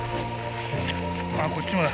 こっちもだ。